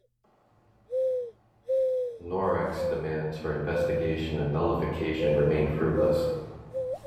Norex' demands for investigation and nullification remained fruitless.